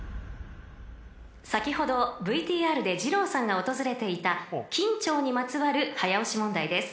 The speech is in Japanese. ［先ほどＶＴＲで二朗さんが訪れていた金武町にまつわる早押し問題です］